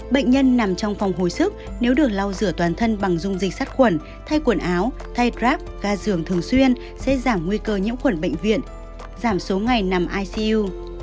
bệnh nhân nằm trong phòng hồi sức nếu được lau rửa toàn thân bằng dung dịch sát khuẩn thay quần áo thay grab ga giường thường xuyên sẽ giảm nguy cơ nhiễm khuẩn bệnh viện giảm số ngày nằm icu